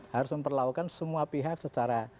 harus memperlakukan semua pihak secara